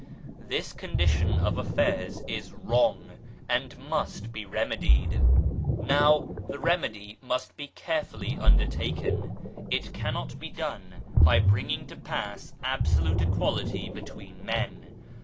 This condition of affairs is wrong, and must be remedied. Now the remedy must be carefully under taken. It cannot be done by bringing to pass absolute equality between men.